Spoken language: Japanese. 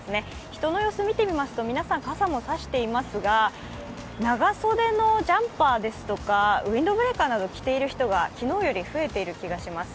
人の様子を見てみますと、皆さん傘も差していますが長袖のジャンパーですとか、ウィンドブレーカーを着ている人が昨日より増えている気がします。